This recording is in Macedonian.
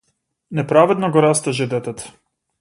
Неправедно го растажи детето.